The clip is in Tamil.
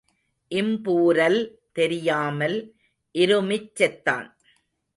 இம்பூரல் தெரியாமல் இருமிச் செத்தான்.